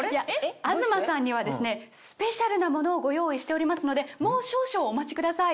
東さんにはスペシャルなものをご用意しておりますのでもう少々お待ちください。